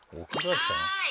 はい！